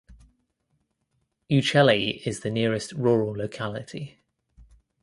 Uchaly is the nearest rural locality.